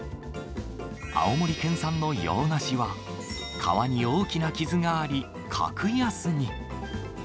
青森県産の洋ナシは、皮に大きな傷があり、格安に。